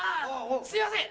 すいません